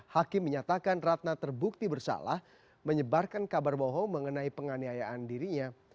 hakim menyatakan ratna terbukti bersalah menyebarkan kabar bohong mengenai penganiayaan dirinya